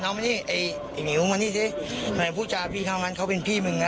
น้องมันนี่เด็กนิ้วมันนี่สิผู้จาพี่เขาเป็นพี่มึงนะ